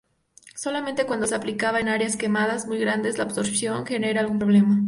Solamente cuando es aplicada en áreas quemadas muy grandes la absorción genera algún problema.